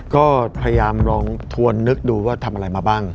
ก็พยายามลองทวนนึกดูว่าทำอะไรมาบ้าง